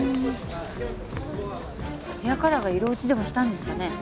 ヘアカラーが色落ちでもしたんですかね？